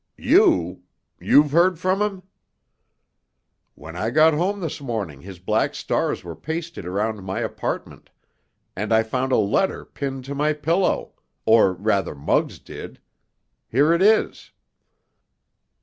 "You! You've heard from him?" "When I got home this morning his black stars were pasted around my apartment, and I found a letter pinned to my pillow—or rather Muggs did. Here it is."